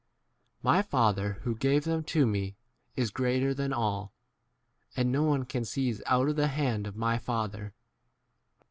My Father who gave [them] to me is greater than all, and no one can seize out of the hand of 30 my Father.